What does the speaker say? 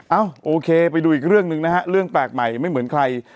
เอ้าโอเคไปดูอีกเรื่องหนึ่งนะฮะเรื่องแปลกใหม่ไม่เหมือนใคร